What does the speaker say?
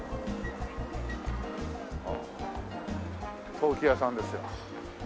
陶器屋さんですよ。